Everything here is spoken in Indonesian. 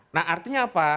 nah artinya apa